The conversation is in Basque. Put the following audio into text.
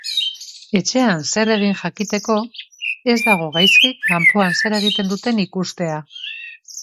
Etxean zer egin jakiteko ez dago gaizki kanpoan zer egiten duten ikustea.